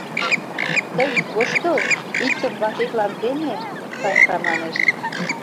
— Тый ит воштыл, иктым ватетлан теме, — Санька манеш.